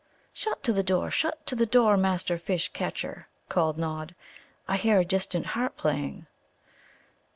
"Shut to the door, shut to the door, Master Fish catcher," called Nod. "I hear a distant harp playing."